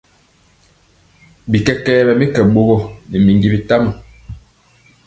Bikɛkɛ ɓɛ mi kɛ ɓogɔ nɛ minji bitama.